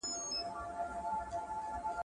د احمدشاه بابا توره تل په بریا پسې وه.